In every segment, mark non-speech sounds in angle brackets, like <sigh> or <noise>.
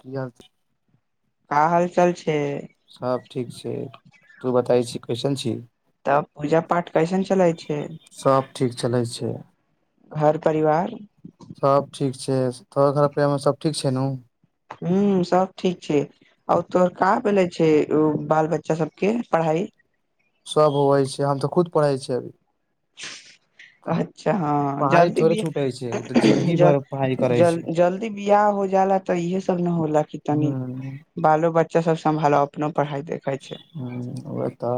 की हाल छै का हालचाल छै सब ठीक छै तू बताई छी कईसन छी तब पूजा पाठ कैसन चलै छै सब ठीक चलै छै घर परिवार सब ठीक छै <unintelligible> मे सब ठीक छै ने हूँ सब ठीक छै आ तोहर कहाँ भेलले छै ओ बाल बच्चा सबके पढ़ाई सभ होबइ छै हम तऽ खुद पढ़ै छियै अच्छा हँ जल्दी भी से ओ जिन्दगी भर पढ़ाई करै जल छै जल्दी बियाह हो जाला तऽ इहे सब न होल की हूँ तनी बालो बच्चा सब संभालो अपनो पढ़ाई देखै छै ह वैह तऽ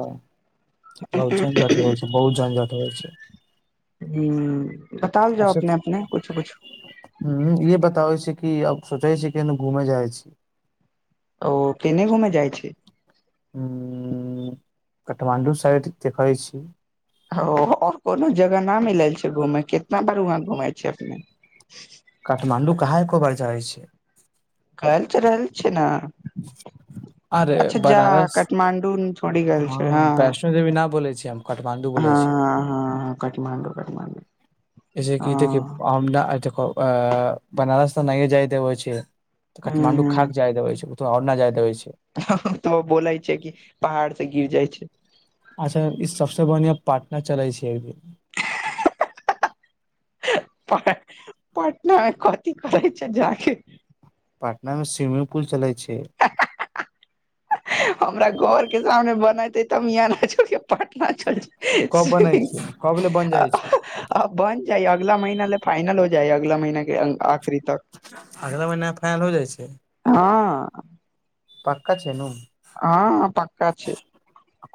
बहुत झंझट होइ छै बहुत झंझट होइ छै ह बताउल जाउ अपने अपने कुछु कुछु ह इे बताबै छै कि आब सोचे छै कि घूमे जाई छी ओ केने घूमे जाई छी हूँ काठमाण्डू साइड देखै छी ओ आओर कोनो जगह न मिलल छै घूमे के कितना बार वहा घुम छै अपने काठमाण्डू कहाँ एकोबार जाई छी कल चरल छै ने अरे अच्छा जा बनारस काठमाण्डू थोड़ी ह हँ वैष्णो देवी न बोलै छी हम काठमाण्डू ह बोलै छी हँ हँ काठमाण्डू काठमाण्डू ऐसे की ते <unintelligible> की हँ देखेकि अ बनारस त नहि जाय देव छै काठमा्डू खाक जाय देव छै तो ओर ना जाय देबै छै तो बोलै छै कि पहाड़ से गिर जाई छै अच्छा ई सबसँ बढ़िआं पाटना चलै छै एक दिन प पटनामे कथी करै छै जाके पटना मे स्विमिंग पूल चलै छै <unintelligible> हमरा घर के सामने बनाते तमिया ना जेब पटना चल जेबे कब बनै स्विमिंग छै कब ले बन पूल आ जाइ छै ह बन जाई अगला महीना ले फाइनल हो जाइए अगला महिना के आखरी तक अगला महीना फाइनल हो जाइ छै हँ पक्का छे नू हँ पक्का छै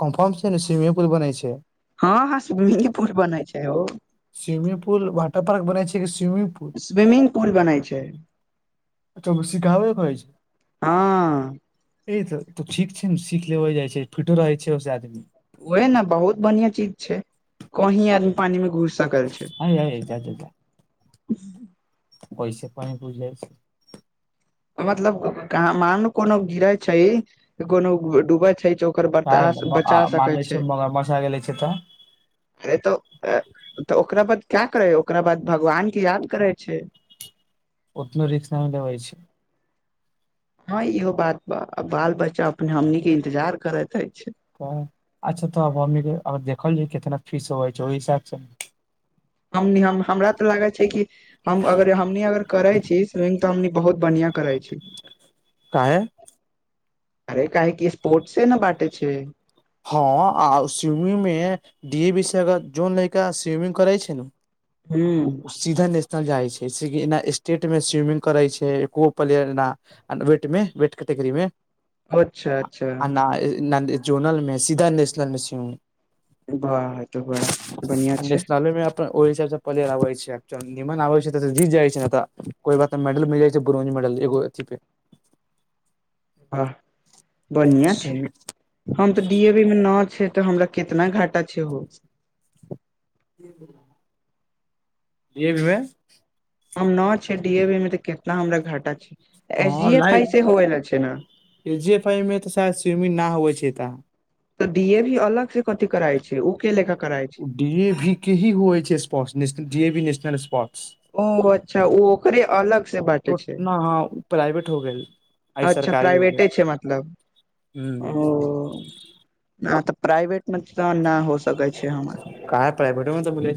कन्फर्म छै ने स्विमिंग पुल बनै छै हँ हँ स्विमिंग पुल बनै छै ओ स्वमिंग पूल वाटर पार्क बनए छै कि स्विमिंग पुल स्विमिंग पुल बनै छै तब सिखाबे कहै छै हँ ए तऽ तो ठीक छै ने सीख लेबो जाइ छै फिटो रहै छै ओहिसे आदमी ओहे ने बहुत बढ़िया चीज छै कही आदमी पानी में घूस सकल छै छै <unintelligible> मतलब कह मान कोनो गिरे छै कोनो डूबे छै च <unintelligible> क मान छै म मौसा गेलै छै तऽ हे तऽ तऽ ओकरा बाद क्या करै ओकरा बाद भगवान के याद करै छै ओतनो रिक्सा नहि लेबयै छै हँ इहो बात बाल बच्चा अपने हमनी इंतजार करैत अछि अच्छा तऽब हमनीके देखल जा कितना फीस होबै छै ओहि हिसाबसँ हम हमरा ते लागे छै कि हम अगर हमनी अगर करे छी स्विमिंग तऽ हमनी बहुत बढ़ियाँ करय छै काहे एका एकी स्पोर्ट्स से ने बटे छै हँ आउ स्विमिंग मे डी ए विषाग जोन लड़का स्विमिंग करै छै न हू सीधा नेशनल जाइ छैना स्टेट में स्विमिंग करे छै एको प्लेयर ना वटमे वट कटगरी मे अच्छा अच्छा ना जोनल मे सीधा नेशनल मेसी वाह त बड़ा बनिया छै ओ हिसाब सँ प्लेर आब छै निमन आब छै जीत जाइ छै ने कोई बात मेडल मिल जाइ छै ब्रोज मेडल एगो अथी पे ह बढ़िया छै स्विमिंग हम तऽ डी ए बी मे न छै तऽ हमरा कितना घाटा छै हो <inaudible> <unintelligible> हम न छै डी एी मे त केितना हमरा घाटा छै एस डी ए फई से होवे ल छै ने के जी ए फाइमे तऽ सेह स्विमिंग नहि होइ छै तऽ तऽ डी ए भी अलग से कथि कराई छै उ के लेखका करई छै डी ए भी के ही होइ छै स्पोर्ट्स डी ए भी नेशनल स्पोर्ट्स ओ अच्छा ओ ओकरे अलग से बाटे टोट छै न हँ प्राइवेट हो गेल आ इ अच्छा सरकारी हो प्राइवेटे गेल छै मतलब हु नहि तऽ प्राइवेट मे तऽ नहि हो सकै छै हमार काह प्राइवेटमे तऽ बोलै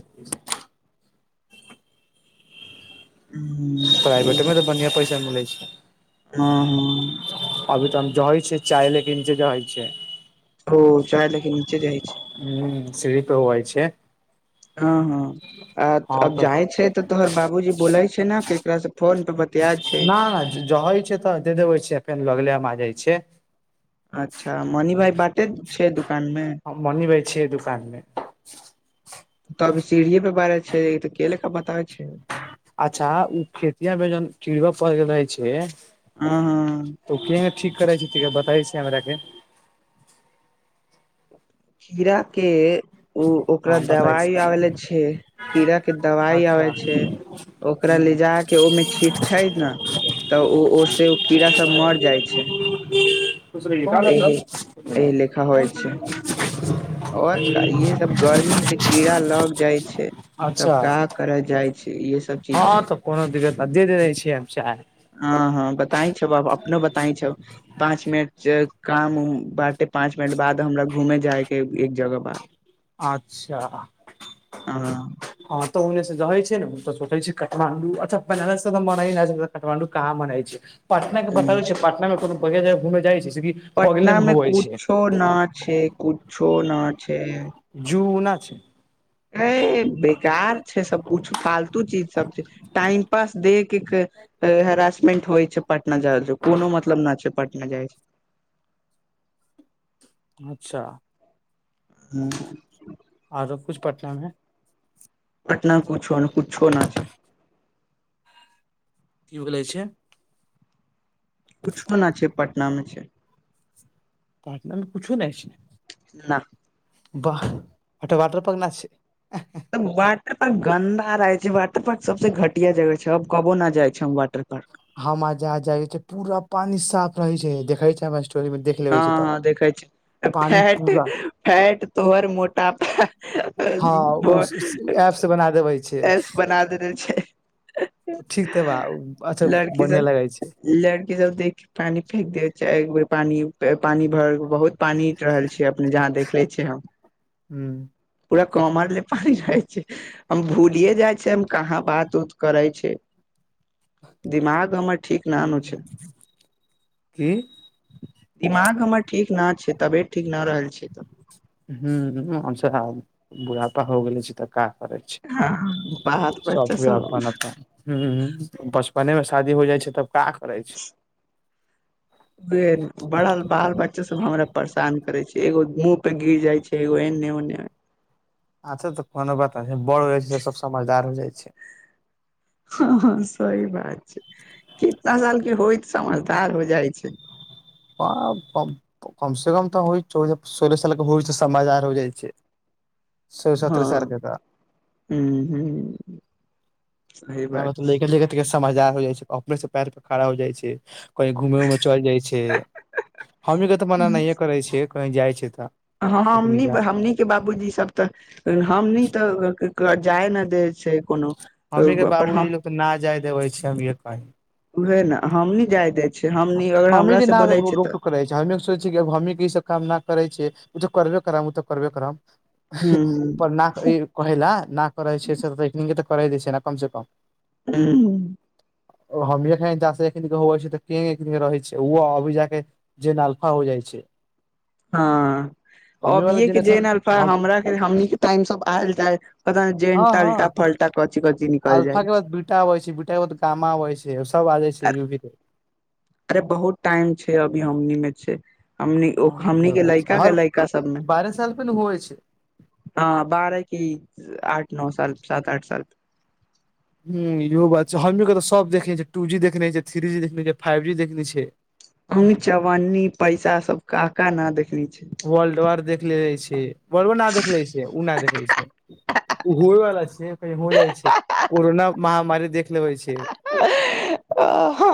हूँ, प्राइवेटोमे तऽ बढ़िआँ पैसा मिलैत छै हँ हँ अभी तऽ हम ज होइ छै चाय लेकिन जे जइ छै ओ चाय लेके नीचे जाइ छै ह सीढ़ी पर होबय छै हँ हँ आ हँ अब तऽ जाय छै तऽ तोहर बाबूजी बोले छै ने केकरा से फोन पे बतियाइ छै न न जहै छै तऽ दे देबे छिय फेर लगले मे आ जाइ छै अच्छा मणि भाई बाटेत छै दुकान मे हम मनी भाय छै दुकान मे त अभी सीढ़ए पे बार छै तऽ केले का बताबै छै अच्छा ओ खेतियामे जन किड़ब पड़ गेल रहे छै ह हँ तऽ ओ के ठीक करै छै बताै छी हमर के खीरा के ओ ओकरा हँ बताइ छी दबाइ आबै ले छै कीड़ाके दबाइ अच्छा आबै छै ओकरा ले जा के ओहिमे छीट छै ने तऽ ओ ओस ओ कीड़ा सब मर जाइ छै एहि एहि लेखा होइ छै <inaudible> और इहे सब गर्मी से कीड़ा लग जाय छै अच्छा तब काह करल जाय छी इह सब चीज हँ छै तऽ कोनो दिक्कत ना दे देबे छी हम चाय हँ हँ बताई छै अपने बताइ छै पाँच मिनट जे काम बाँटे पाँच मिनट बाद हमरा घूमे जायके एक जगह बा अच्छा हँ हँ तऽ ओ रहै छै ने त सोेचाय छै कठमांडू अच्छा बनारास तऽ मना कठमंड कहाँ मनाइ छै पटना के बताबै छै पटना कोनो बढ़आँ जगह घूम जाइ छी पटना मे कुछो ना छै कुछो ना छै जू ना छै अ बेकार छै सब कुछ फालतू चीज सब छै टाइम पास देख हेरासमेंट होइ छै पटना जाय कोनो मतलब न छै पटना जाइ छै अच्छा हूँ आरो कुछ पटना मे पटनामे कुछो न कुछो न छै की बोलै छै कुछो ना छै पटना मे छै पटना मे कुछो ना छै ना बाह ओ वाटर पार्क न छै वाटर पार्क गन्दा रहै छै वाटर पार्क सबस घटिया जगह छै अब कबो न जाय छै हम वाटर पार्क ह जहाँ जा छै पूरा पानी साफ रहै छै देखे छै हमरा स्टोरी मे देख लेबै छै हँ तऽ हँ देखै छी पानी फैट पूरा फैट तोहर मोटापा हँ उ एप से बना देबै छै एस बना देने छै ठीक तऽ बा अच्छा लड़की बढ़िया सब लगै छै लड़की सब देख के पानी फेेक दे छै एक बेर पानी पानी भरल बहुत पानी रहल छै अपने जहाँ देखले छियै हम ह पूरा कमर लऽ पानी रहै छै हम भूलिये जाइ छै हम कहाँ बात उत करै छै दिमाग हमर ठीक न नु छै की दिमाग हमर ठीक ना छै तबियत ठीक नहि रहल छै हू हमश बुढ़ापा हो गेलै छी तऽ का करै छै ह बात बच्चा सब हु बचपने मे शादी हो जाइ छै तब का करै छै बड़ा बाल बच्चो सब हमरा परेशान करै छी एगो मुँह पे गिर जाइ छै एगो एने ओने अच्छा तऽ कोनो बात जब बड़ हो छै से सब समझदार हो जाइ छै हँ हँ सही बात छै कितना साल के होय त समझदार हो जाइ छै कम से कम तऽ हो चौ सोलह साल के होइ तऽ समादार हो जाइ छै सोलह सत्रहे सालकेे तऽ हू हू समझदार हो जाइ छै अपने से पैर परे खड़ा हो जाइ छै कहीं घूमे उमे चलि जाइ छै हमही के तऽ मना नहिए करै छियै कहीं जाइ छै तऽ हँ हमनी हमनी के बाबूजी सब तऽ हमनी तऽ जाय न दे छै कोनो हमही के पर बाबूजी लोग तऽ न जाय देबै छै हमे कही उएह ने हमनी जाय दै छियै हमनी अगर हमनी के हमरास से ना रोक बोलै छै टोक तऽ करै छै सोच छ हमही ई सब काम न करै छियै ओ तऽ करबे करब ओ तऽ करबे कर हूं पर ना कहै ल न करै छै तऽ करे द छै कम से कम हू ओ हम एन होइ छै तऽ के रहै छै ओ अभी जाक जेन अलफा हो जाइ छै हँ हमी वाला अभियए के जे जेनरेशन ने अलफा हम हमरा हमन के टाइम सब आयल जाय पता ने हँ जेनटलटा हँ फल टा कथी कथी निकल जाइ अल्फा के बाद बीटा अबै छै बीटा के बाद गामा अबै छै सब आ जाे छै यगी अरे बहुत टाइम छै अभी हमनी मे छै हमनी ओ हँ हमनी इहो के बात छै लैका के हर लइका सबमे बारह साल पे ने होइ छै हँ बारह की आठ नओ साल सात आठ साल ह इहो बात छै हमही के तऽ सब देखने छियै टू जी देखने छैथ्री जी देखने छिय फाइव जी देखने छिय अंग चवन्नी पैसा सब का का ना देखने छै वर्ल्ड वार देख ले छै वर्ल्ड वार ना देख ले छै ओ नहि देखे छै ओ होइवला छै कही हो जाइ छै कोरोना महामारी देख लेबै छै <inaudible> आ हँ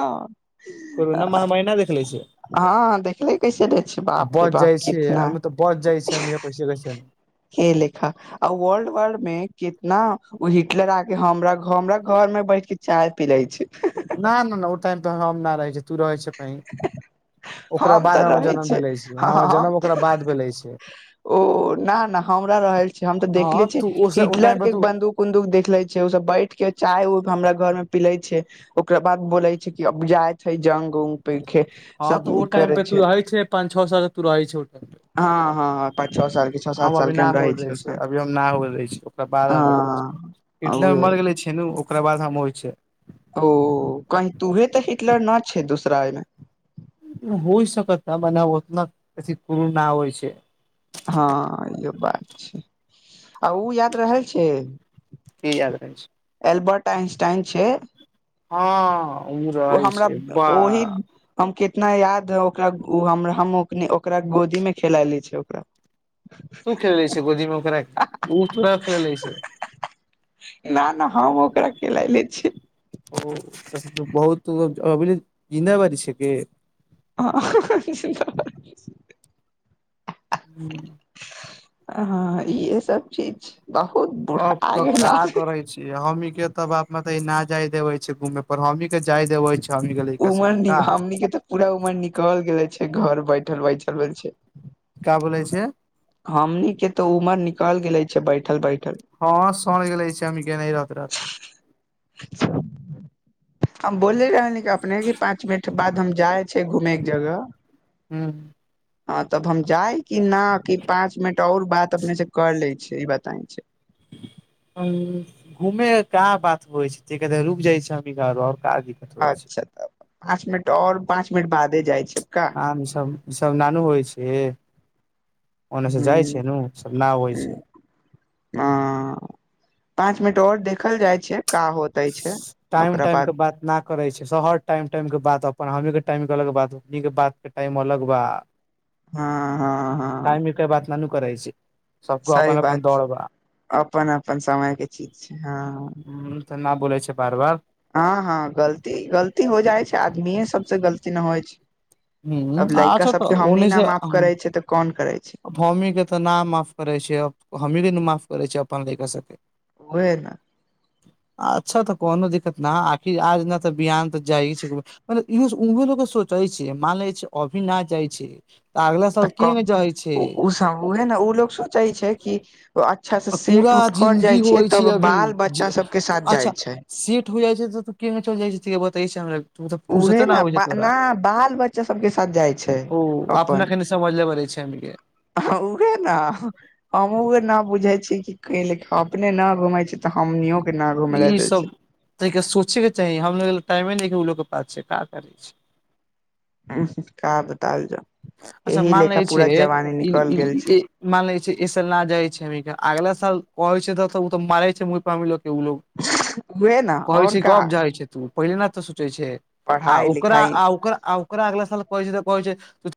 कोरोना महामारी नहि देखले छै हँ देख ले कैसे छै बाप रे बा आ तऽ बस जाइ छिय हम पैसे कैस ने के लेखा आ वर्ल्ड वार मे कितना हिटलर आकेरा हमरा घर मे बैठ के चाह पिलअइ छै न नहि नहि ओ टाइम त हम नहि रहै छै तू रहै छै कही ओकरा हम तऽ बाद हमर रहे जन्म भेले छै हमर हम जन्म तऽ ओकरा बाद भेले छै ओ न न हमरा रहल छी हम तऽ देखले हँ छीय तू ओस ओ हिटलर टाइम के पे एक तू बन्दूक कुन्दुक देखले छै ओ सब बैठ के चाय हमरा घर में पिले छै ओकरा बाद बोलै छै कि अब जायत है जंग उंग पैखे हँ तऽ ओ टाइम पे तू रहै छै पंच छओ साल के तू रहै छै हँ हँ पाँच छओ साल के छओ सात हम साल अभी के नहि हो रहे छी रहै ओ छ अभी हम नहि बलै छ ओकरा बाद हम बोलै छ हँ हिटलर उहे मर गेले छै ने ओकरा बाद हम हो छै ओ कही तूहे तऽ हिटलर न छै दूसरामे होइ सकत ने मने ओतना प कुरना होइ छै हँ इहो बात छै आ ओ याद रहै छै की याद रहै छै एलबर्ट आइनस्टाइन छै हँ ओ रहै हमरा छै ओहि बाह हम कितना याद है ओकरा उ हमरा हम औकनी ओकरा गोदी मे खेल ले छ ओकरा तू खेलै छै गोदीमे उकरा उ तोरा खेलै छै ना ना हम ओकरा खेलाय ले छियै ओ बहुत अभ जिन्द बड़ी छिक ह <inaudible> ह इहे सब चीज बहुत बुढा गेल हमहीं के त बाप म न जाय देवे छै घूमे पर हमही के जाय देवे छी सी गेल लैकस उमर नि का हमनी के तऽ पूरा उमर निकल गेले छै घर बैठल बैठल भेल छै का बोलै छै हमनी के तऽ उमर निकल गेले छै बैठल बैठल हँ सझ गेल लै छै अम के नहि रत रत हम बोले रहल अपने के पाँच मिनट बाद हम जाय छै घूमे के जगह हँ ह तब हम जाय कि न कि पाँच मिनट ओर बात अपने से कर ले छी ई बताय छै घूमे क बात होइ छै रुक जाइ छै हम घर और क दिक अच्छा तऽ पाँच मिनट ओर पाँच मिनट बादे जाइ छै का काम सब ई सब नानू होइ छै ओने से जाइ हँ छै नु सब न होइ छै ह पाँच मिनट और देखल जाय छै का हो सी टाइम टाइम के बात ना करे छै शहर टाइम टाइम के बात अपन हम के टाइम के अलग बात ई के बात के टाइम अलग बा हा टाइम के बात ना ना करैत छै सबके सही अपन अपन बात दौड़ छै बा अपन अपन समय के चीज छै हाँ उ तऽ ना बोलै छै बार बार हाँ हाँ गलती गलती हो जाई छै आदमीए सबसे गलती ना होई छै हूँ अब लड़का अच्छा तऽ सबके हमनी ना माफ करै छै तऽ कोन करै छै हमीे तऽ ना माफ करै छियै हमही के माफ करै छियै अपन लड़का सबके ओहे ना अच्छा तऽ कोनो दिक्कत ना आखिर आज नहि तऽ बिहान तऽ जाइ छै एक म इहो उहो लोक सोचइ छै मान छै अभी ना जाय छै तऽ अगला तऽ साल किया कब नै जाइ छै ओ उ सब उहे न ओ लोग सोचै छै की अच्छा आ से पूरा सेट उट कर जिन्दगी जाइ छै होइ तब अभी बाल बच्चा सबके साथ जाइ छै तु जाइ छै तऽ केियाना चल जाइ छ बताै छै हमरा तऽ उहे फुर्सते न ने आबै छै बा तोरा ना बाल बच्चा सबके साथ जाय छै ओ अपना कनि समझल बै छै <unintelligible> हाँ उहे ना हमहु ना बुझे छी की के ले अपने ना घूमे छी तऽ हमनिओ ई सब त सोचे के चाही हमलोग ल टाइमे न उ लोग के पास छै का करै छै का बताल जा अच्छा एहि मान लेखा लै छै पूरा जवानी ई निकल गेल छै ई मान ले छै ऐय साल ना जाइ छै हमनिके अगला साल कहै छै मरे छै मु प लो के लोग उहे ने कहे और छै का कब जाइ छै पहिले ने तऽ सोचै छै आ पढ़ाई ओकरा लिखाई आ ओकरा आ अगला साल कहै छै त कहै छै